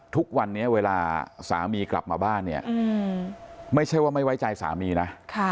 ทุกวันนี้เวลาสามีกลับมาบ้านเนี่ยไม่ใช่ว่าไม่ไว้ใจสามีนะ